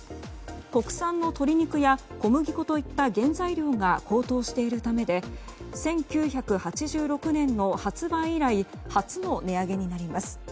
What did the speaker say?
国産の鶏肉や小麦粉といった原材料が高騰しているためで１９８６年の発売以来初の値上げになります。